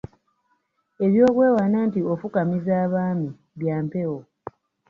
Eby’okwewaana nti ofukamiza abaami bya mpewo.